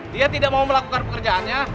dia tidak mau melakukan pekerjaannya